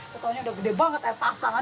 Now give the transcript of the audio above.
tetepnya udah gede banget air pasang